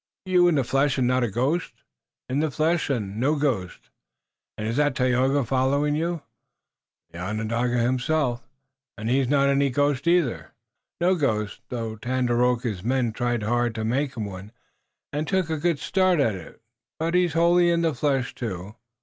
"You in the flesh and not a ghost?" "In the flesh and no ghost." "And is that Tayoga following you?" "The Onondaga himself." "And he is not any ghost, either?" "No ghost, though Tandakora's men tried hard to make him one, and took a good start at it. But he's wholly in the flesh, too."